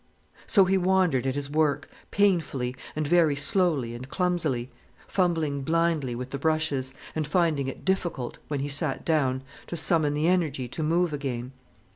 So, he wandered at his work, painfully, and very slowly and clumsily, fumbling blindly with the brushes, and finding it difficult, when he sat down, to summon the energy to move again.